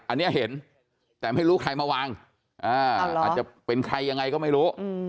อันนี้เห็นแต่ไม่รู้ใครมาวางอาจจะเป็นใครยังไงก็ไม่รู้